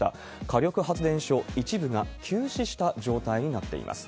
火力発電所、一部が休止した状態になっています。